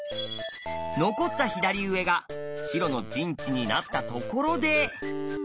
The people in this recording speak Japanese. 残った左上が白の陣地になったところで。